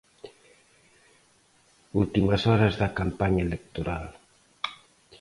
Últimas horas da campaña electoral.